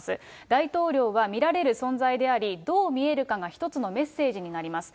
大統領は見られる存在であり、どう見えるかが一つのメッセージになります。